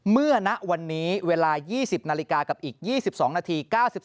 เมื่อนะวันนี้เวลา๒๐นาฬิกากับอีก๒๒นาที